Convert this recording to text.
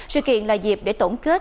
sự kiện là dịp để tổng kết